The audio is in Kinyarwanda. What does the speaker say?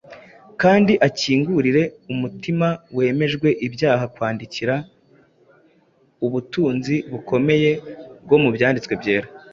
kandi akingurire umutima wemejwe ibyaha kwakira ubutunzi bukomeye bwo mu Byanditswe Byera.